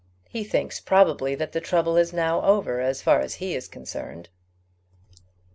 He thinks probably that the trouble is now over as far as he is concerned."